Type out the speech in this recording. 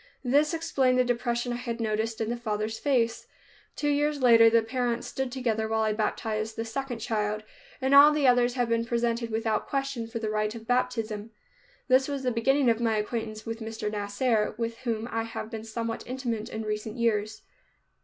This explained the depression I had noticed in the father's face. Two years later the parents stood together while I baptized the second child, and all the others have been presented without question for the rite of baptism. This was the beginning of my acquaintance with Mr. Nasser, with whom I have been somewhat intimate in recent years.